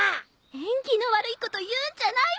縁起の悪いこと言うんじゃないわよ！